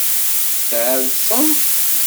Tɛeḍsemt.